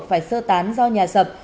phải sơ tán do nhà sập